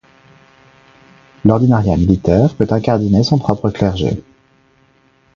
L'ordinariat militaire peut incardiner son propre clergé.